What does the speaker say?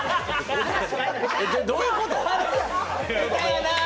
ど、どういうこと！？